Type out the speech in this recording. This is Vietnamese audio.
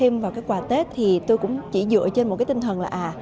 mùa tết thì tôi cũng chỉ dựa trên một cái tinh thần là à